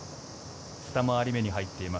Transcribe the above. ２周り目に入っています